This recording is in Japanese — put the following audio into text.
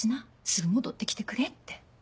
すぐ戻って来てくれって。